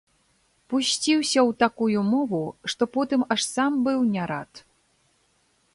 Пусціўся ў такую мову, што потым аж сам быў не рад.